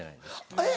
えっ！